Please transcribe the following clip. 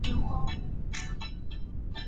杜拉基什为该区的首府。